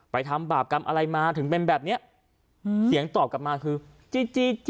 ทำบาปกรรมอะไรมาถึงเป็นแบบเนี้ยอืมเสียงตอบกลับมาคือจี้จี้จี้